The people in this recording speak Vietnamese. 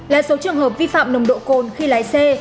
năm mươi là số trường hợp vi phạm nồng độ cồn khi lái xe